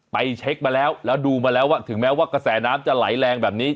ไปเช็คมาแล้วแล้วดูมาแล้วว่าถึงแม้ว่ากระแสน้ำจะไหลแรงแบบนี้